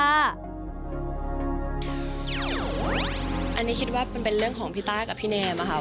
อันนี้คิดว่ามันเป็นเรื่องของพี่ต้ากับพี่แนมอะค่ะ